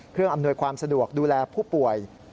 เครื่องอำนวยความสะดวกดูแลผู้ป่วย